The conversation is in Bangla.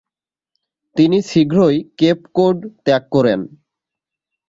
তিনি শীঘ্রই কেপ কোড ত্যাগ করেন।